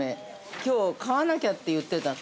きょう、買わなきゃって言ってた。